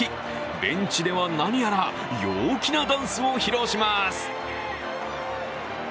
ベンチでは何やら陽気なダンスを披露します。